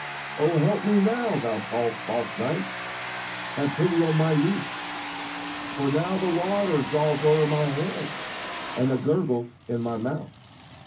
"O help me now, thou false, false knight, Have pity on my youth, For now the water jawes owre my head, And it gurgles in my mouth."